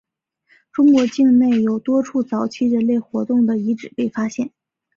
中国境内有多处早期人类活动的遗址被发现。